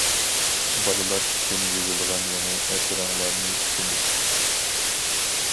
بالىلار ئۈچۈن يېزىلغان يېڭى ئەسىرىڭلارنى كۈتىمىز.